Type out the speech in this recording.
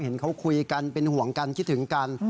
เห็นเขาคุยกันเป็นห่วงกันคิดถึงกัน